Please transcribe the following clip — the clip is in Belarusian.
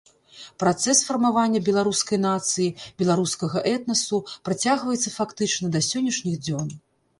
Працэс фармавання беларускай нацыі, беларускага этнасу працягваецца фактычна да сённяшніх дзён.